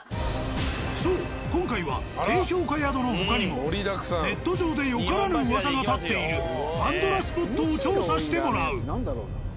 そう今回は低評価宿の他にもネット上でよからぬ噂が立っているパンドラスポットを調査してもらう。